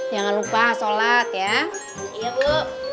jangan lupa sholat ya iya bu